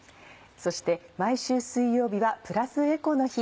そして毎週水曜日はプラスエコの日。